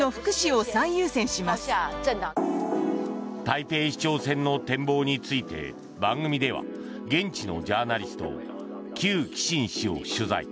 台北市長選の展望について番組では現地のジャーナリストキュウ・キシン氏を取材。